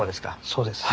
そうです。